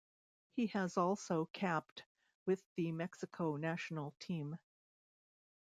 He has also capped with the Mexico national team.